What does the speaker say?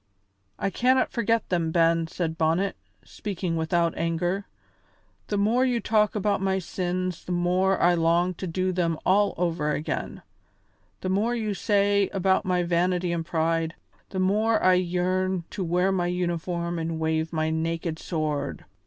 "I cannot forget them, Ben," said Bonnet, speaking without anger. "The more you talk about my sins the more I long to do them all over again; the more you say about my vanity and pride, the more I yearn to wear my uniform and wave my naked sword.